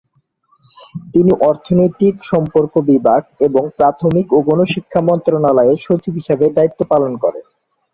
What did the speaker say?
তিনি অর্থনৈতিক সম্পর্ক বিভাগ এবং প্রাথমিক ও গণশিক্ষা মন্ত্রণালয়ের সচিব হিসেবে দায়িত্ব পালন করেন।